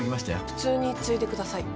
普通についでください。